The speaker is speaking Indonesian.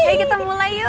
yuk kita mulai yuk